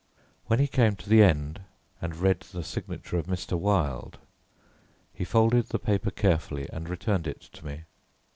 When he came to the end and read the signature of Mr. Wilde, he folded the paper carefully and returned it to me.